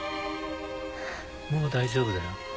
もう大丈夫だよ。